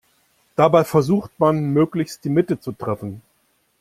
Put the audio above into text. Dabei versucht man, möglichst die Mitte zu treffen.